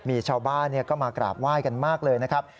มีชาวบ้านก็มากราบไหว้กันมากเลยนะครับ